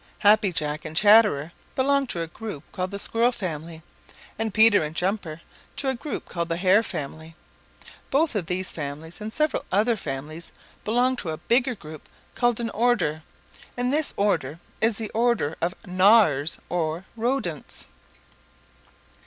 Happy Jack and Chatterer belong to a group called the Squirrel family, and Peter and Jumper to a group called the Hare family. Both of these families and several other families belong to a bigger group called an order, and this order is the order of Gnawers, or Rodents."